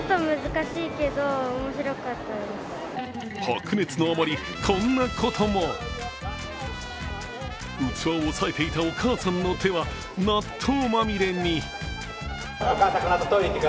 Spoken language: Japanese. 白熱のあまり、こんなことも器を押さえていたお母さんの手は納豆まみれに。